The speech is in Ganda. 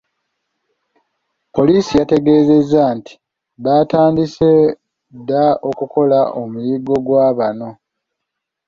Poliisi yategeezezza nti, baatandise dda okukola omuyiggo gwa bano.